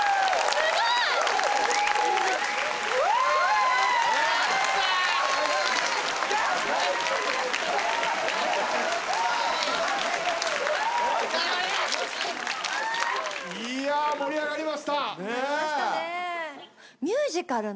すごい！いや盛り上がりました。